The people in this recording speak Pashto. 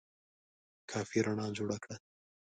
کافي رڼا جوړه کړه !